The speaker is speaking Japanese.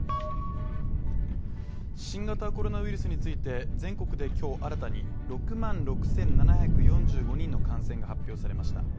新型コロナウイルスについて、全国で今日新たに６万６７４５人の感染が発表されました。